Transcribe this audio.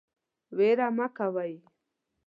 ویره مه کوئ